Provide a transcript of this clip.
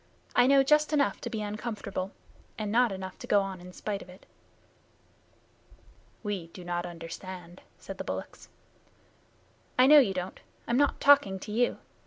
I know just enough to be uncomfortable, and not enough to go on in spite of it." "We do not understand," said the bullocks. "I know you don't. I'm not talking to you.